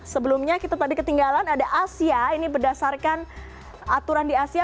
sebelumnya kita tadi ketinggalan ada asia ini berdasarkan aturan di asia